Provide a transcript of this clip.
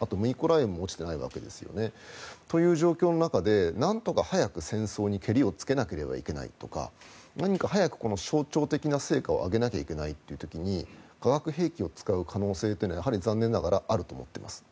あとミコライウも落ちていないという状況の中でなんとか早く戦争にけりをつけなければいけないとか、何か早く象徴的な成果を上げなきゃいけないという時に化学兵器を使う可能性というのはやはり残念ながらあると思っています。